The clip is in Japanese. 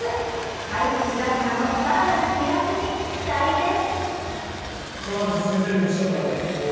怪物スラッガーの更なる飛躍に期待です。